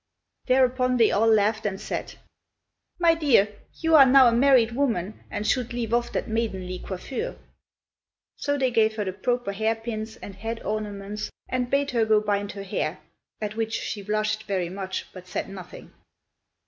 Thereupon they all laughed and said, "My dear, you are now a married woman, and should leave off that maidenly coiffure." So they gave her the proper hair pins and head ornaments, and bade her go bind her hair, at which she blushed very much but said nothing.